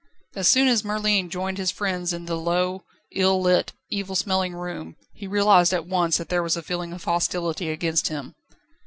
As soon as Merlin joined his friends in the low, ill lit, evil smelling room he realised at once that there was a feeling of hostility against him.